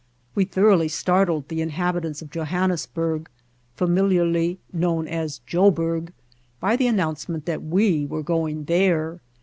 We thoroughly startled the inhabitants of Johannesburg, famil iarly known as Joburg, by the announcement that we were going there.